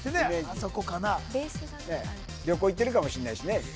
あそこかな旅行行ってるかもしんないしね・